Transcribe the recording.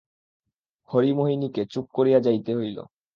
হরিমোহিনীকে চুপ করিয়া যাইতে হইল।